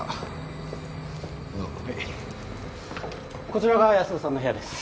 こちらが安田さんの部屋です。